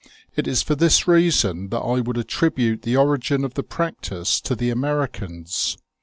It is for this reason that I would attribute the origin of the practice to the Americans.